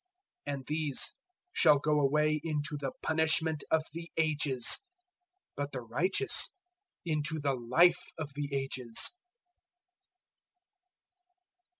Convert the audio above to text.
025:046 "And these shall go away into the Punishment of the Ages, but the righteous into the Life of the Ages."